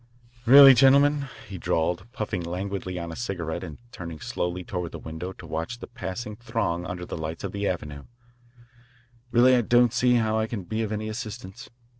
"Really, gentlemen," he drawled, puffing languidly on a cigarette and turning slowly toward the window to watch the passing throng under the lights of the avenue, "really I don't see how I can be of any assistance.